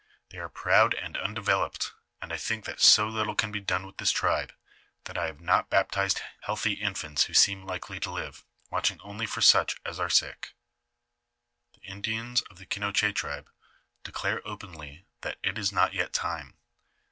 They are proud and undeveloped, and I think that so little can be done with this tribe, that I have not baptized l<ealthy infants who seem likely to live, watching only fur such as are sick. The Indians of the Kinouch^ tribe declare openly that it is not yet time.